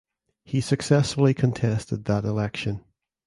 He successfully contested that election.